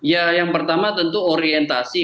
ya yang pertama tentu orientasi